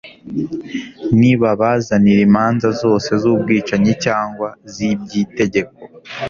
nibabazanira imanza zose zubwicanyi cyangwa zibyitegeko